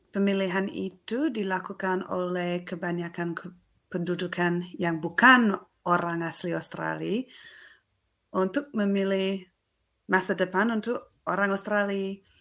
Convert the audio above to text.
pemilihan itu dilakukan oleh kebanyakan pendudukan yang bukan orang asli australia untuk memilih masa depan untuk orang australia